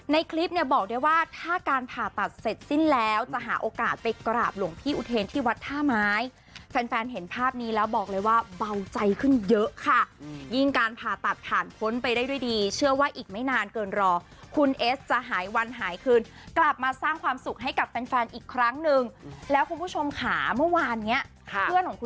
ในคลิปเนี่ยบอกได้ว่าถ้าการผ่าตัดเสร็จสิ้นแล้วจะหาโอกาสไปกราบหลวงพี่อุเทนที่วัดท่าไม้แฟนเห็นภาพนี้แล้วบอกเลยว่าเบาใจขึ้นเยอะค่ะยิ่งการผ่าตัดผ่านพ้นไปได้ด้วยดีเชื่อว่าอีกไม่นานเกินรอคุณเอสจะหายวันหายคืนกลับมาสร้างความสุขให้กับแฟนแฟนอีกครั้งนึงแล้วคุณผู้ชมค่ะเมื่อวานเนี้ยเพื่อนของคุณ